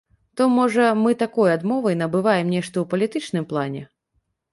То, можа, мы такой адмовай набываем нешта ў палітычным плане?